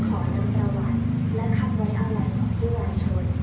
ขอนำประวัติและคับไว้อาหารของผู้ว่ายชน